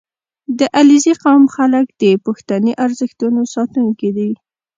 • د علیزي قوم خلک د پښتني ارزښتونو ساتونکي دي.